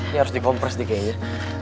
ini harus dikompres di kayak